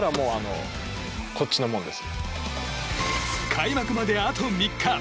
開幕まであと３日。